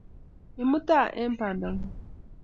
Imuta eng bandanyu